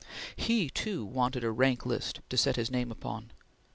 He too wanted a rank list to set his name upon.